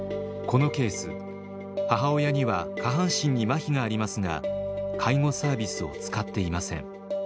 このケース母親には下半身にまひがありますが介護サービスを使っていません。